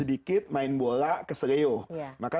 nah pada mana saja namanya seakan berjalan